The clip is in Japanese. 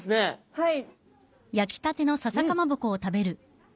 はい。